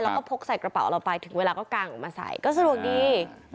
แล้วก็พกใส่กระเป๋าเราไปถึงเวลาก็กางออกมาใส่ก็สะดวกดี